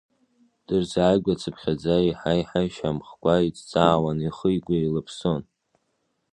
Дырзааигәахацыԥхьаӡа, еиҳа-еиҳа ишьамхқәа иҵӡаауан, ихы-игәы еилаԥсон.